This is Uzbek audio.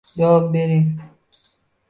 Javob bering?